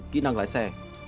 kỹ năng lái xe